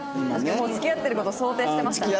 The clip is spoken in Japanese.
もう付き合ってる事を想定してましたね。